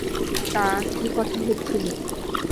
তা, কী কথা হচ্ছিল!